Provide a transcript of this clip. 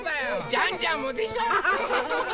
ジャンジャンもでしょ！